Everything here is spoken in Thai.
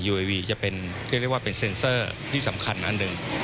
ยูไอวีจะเป็นเซ็นเซอร์ที่สำคัญอันหนึ่ง